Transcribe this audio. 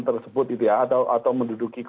tersebut atau menduduki